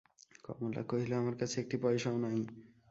কমলা কহিল, আমার কাছে একটি পয়সাও নাই।